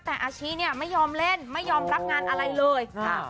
แต่อาชิเนี่ยไม่ยอมเล่นไม่ยอมรับงานอะไรเลยค่ะ